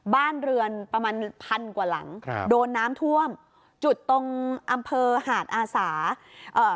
บ้านเรือนประมาณพันกว่าหลังครับโดนน้ำท่วมจุดตรงอำเภอหาดอาสาเอ่อ